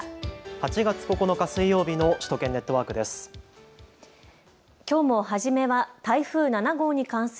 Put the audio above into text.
８月９日水曜日の首都圏ネットワークです。